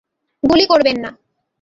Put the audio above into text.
গুলি করবেন না।